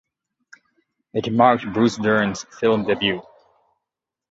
It marked Bruce Dern's film debut.